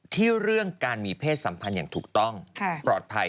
เรื่องการมีเพศสัมพันธ์อย่างถูกต้องปลอดภัย